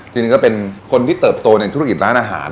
จริงก็เป็นคนที่เติบโตในธุรกิจร้านอาหาร